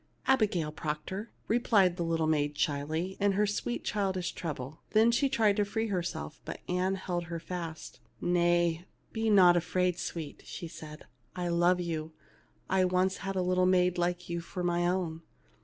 "Abigail Proctor," replied the little maid, shyly, in her sweet childish treble. Then she tried to free herself, but Ann held her fast. "Nay, be not afraid, sweet/' said she. "I love you. I once had a little maid like you for my own.